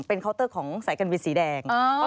เป็นเคาน์เตอร์ของสายการบินสีแดง